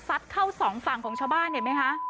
เข้าสองฝั่งของชาวบ้านเห็นไหมคะ